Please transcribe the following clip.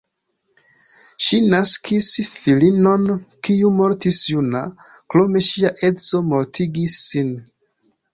Ŝi naskis filinon, kiu mortis juna, krome ŝia edzo mortigis sin.